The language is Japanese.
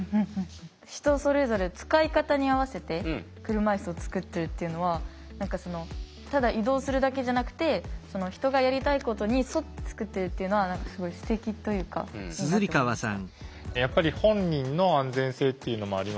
人それぞれ使い方に合わせて車いすを作ってるっていうのはただ移動するだけじゃなくて人がやりたいことに沿って作ってるっていうのはすごいすてきというかいいなって思いました。